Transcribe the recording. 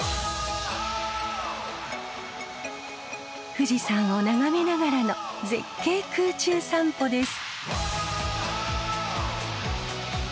富士山を眺めながらの絶景空中散歩です。